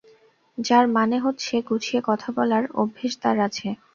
যার মানে হচ্ছে, গুছিয়ে কথা বলার অভ্যোস তার আছে।